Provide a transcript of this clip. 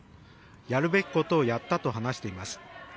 やるべきことをやったと話しています。